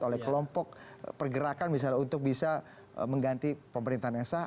oleh kelompok pergerakan misalnya untuk bisa mengganti pemerintahan yang sah